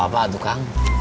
gak apa apa tuh kang